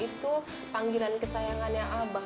itu panggilan kesayangannya abah